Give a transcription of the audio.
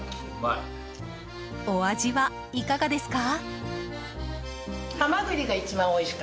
お味は、いかがですか？